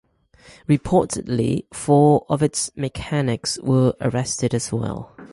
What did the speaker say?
Reportedly four of its mechanics were arrested as well.